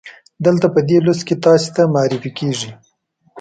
دلته په دې لوست کې تاسې ته معرفي کیږي.